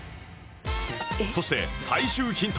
そして最終ヒント